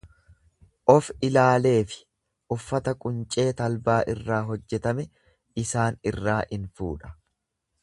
Of-ilaalee fi uffata quncee talbaa irraa hojjetame isaan irraa in fuudha.